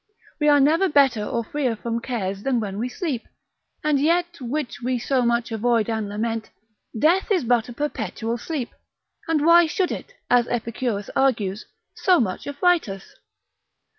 We are never better or freer from cares than when we sleep, and yet, which we so much avoid and lament, death is but a perpetual sleep; and why should it, as Epicurus argues, so much affright us?